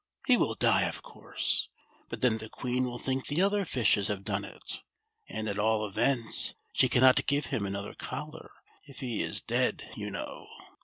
He will die, of course ; but then the Queen will think the other fishes have done it, and, at all events, she cannot give him another collar if he is dead, you know."